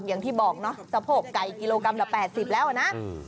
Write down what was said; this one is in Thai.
อย่างที่บอกเนอะจะพบไก่กิโลกรัมละแปดสิบแล้วนะอืม